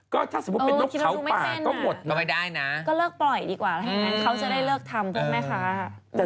ก็ถ้าสมมุติเป็นนกเขาป่าก็หมดนะก็เลิกปล่อยดีกว่าเขาจะได้เลิกทำพวกแม่ค้า